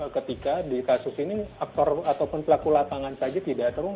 ketika dikasus ini aktor ataupun pelaku lapangan saja tidak turun